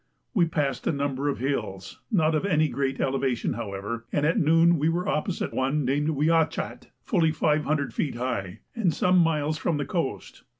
We passed a number of hills, not of any great elevation however, and at noon we were opposite one named Wiachat, fully 500 feet high, and some miles from the coast.